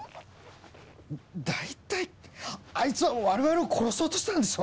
大体あいつは我々を殺そうとしたんですよ！？